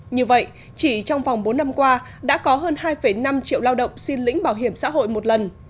như vậy chỉ trong vòng bốn năm qua đã có hơn hai năm triệu lao động xin lĩnh bảo hiểm xã hội một lần